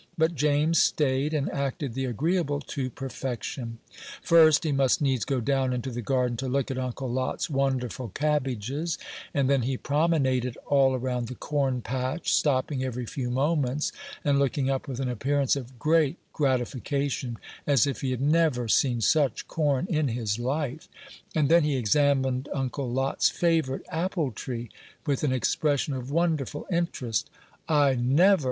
But James staid, and acted the agreeable to perfection. First, he must needs go down into the garden to look at Uncle Lot's wonderful cabbages, and then he promenaded all around the corn patch, stopping every few moments and looking up with an appearance of great gratification, as if he had never seen such corn in his life; and then he examined Uncle Lot's favorite apple tree with an expression of wonderful interest. "I never!"